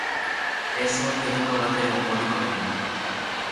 Ez zuen joateko batere gogorik, ordea.